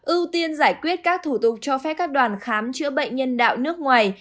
ưu tiên giải quyết các thủ tục cho phép các đoàn khám chữa bệnh nhân đạo nước ngoài